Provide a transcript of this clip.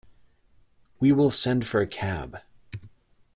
We will send for a cab.